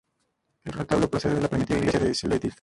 El retablo procede de la primitiva Iglesia de S. Ildefonso.